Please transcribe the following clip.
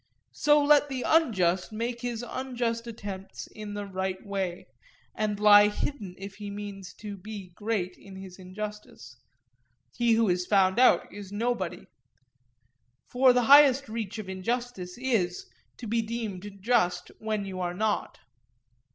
So let the unjust make his unjust attempts in the right way, and lie hidden if he means to be great in his injustice: (he who is found out is nobody:) for the highest reach of injustice is, to be deemed just when you are not.